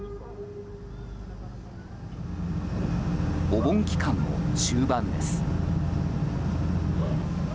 お盆期間も終盤です。